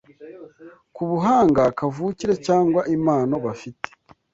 ku buhanga kavukire cyangwa impano bafite